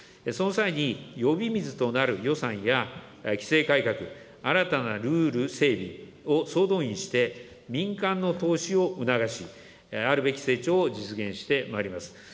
その際に、呼び水となる予算や規制改革、新たなルール整備を総動員して、民間の投資を促し、あるべき成長を実現してまいります。